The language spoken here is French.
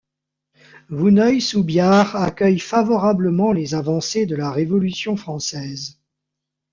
Vouneuil-sous-Biard accueille favorablement les avancées de la Révolution française.